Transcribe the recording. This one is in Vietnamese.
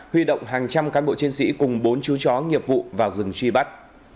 huy động hàng trăm cán bộ chiến sĩ cùng bốn chú chó nghiệp vụ vào rừng truy bắt